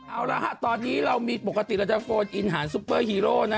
เอาล่ะตอนนี้เรามีปกติแล้วจะโฟล์อินหาร์ซุปเปอร์ฮีโร